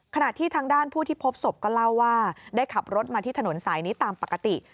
ขณะที่ทางด้านผู้ที่พบศพก็เล่าว่าได้ขับรถมาที่ถนนสายนี้ตามปกติ